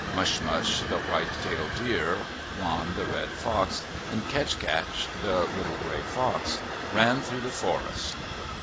Mushmush, the white tail deer, Wan, the red fox, and Ketchkatch, the little gray fox, ran through the forest.